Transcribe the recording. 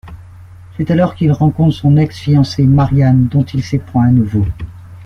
C'est alors qu'il rencontre son ex-fiancée, Marianne, dont il s'éprend à nouveau.